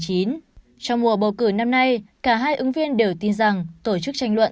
trong mùa bầu cử năm nay cả hai ứng viên đều tin rằng tổ chức tranh luận